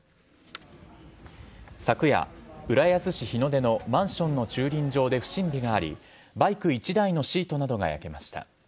昨夜、浦安市日の出のマンションの駐輪場で不審火があり、バイク１台のシートなどが焼けました。